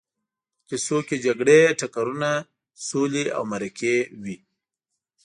په کیسو کې جګړې، ټکرونه، سولې او مرکې وي.